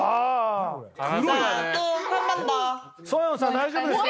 大丈夫ですか？